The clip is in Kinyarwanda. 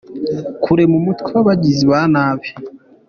– Kurema umutwe w’abagizi ba nabi,